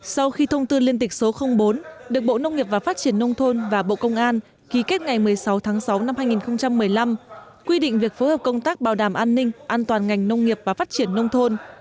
sau khi thông tư liên tịch số bốn được bộ nông nghiệp và phát triển nông thôn và bộ công an ký kết ngày một mươi sáu tháng sáu năm hai nghìn một mươi năm quy định việc phối hợp công tác bảo đảm an ninh an toàn ngành nông nghiệp và phát triển nông thôn